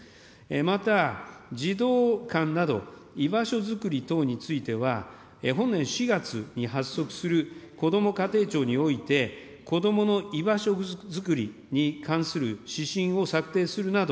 また、児童館など居場所作り等については、本年４月に発足するこども家庭庁において、こどもの居場所作りに関する指針を策定するなど、